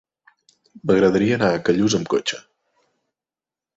M'agradaria anar a Callús amb cotxe.